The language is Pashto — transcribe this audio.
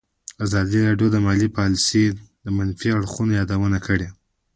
ازادي راډیو د مالي پالیسي د منفي اړخونو یادونه کړې.